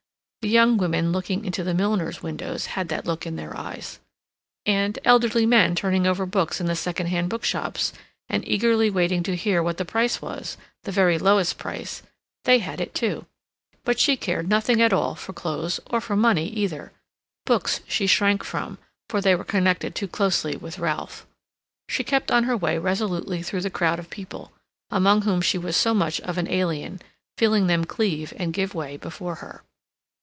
The young women looking into the milliners' windows had that look in their eyes; and elderly men turning over books in the second hand book shops, and eagerly waiting to hear what the price was—the very lowest price—they had it, too. But she cared nothing at all for clothes or for money either. Books she shrank from, for they were connected too closely with Ralph. She kept on her way resolutely through the crowd of people, among whom she was so much of an alien, feeling them cleave and give way before her.